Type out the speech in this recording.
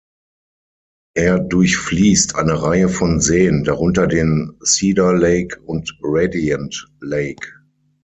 Er durchfließt eine Reihe von Seen, darunter den Cedar Lake und Radiant Lake.